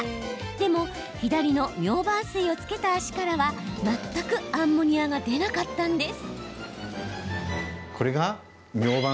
でも、左のミョウバン水を付けた足からは全くアンモニアが出なかったんです。